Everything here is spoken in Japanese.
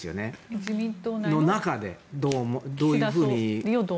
自民党の中でどういうふうに。